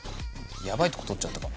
やばいとこ取っちゃったかも。